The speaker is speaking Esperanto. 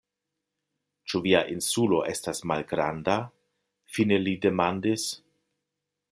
Ĉu via Insulo estas malgranda? fine li demandis.